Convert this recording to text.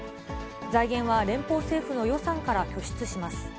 財源は連邦政府の予算から拠出します。